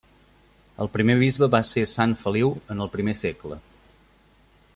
El primer bisbe va ser sant Feliu en el primer segle.